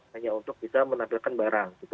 hanya untuk bisa menampilkan barang gitu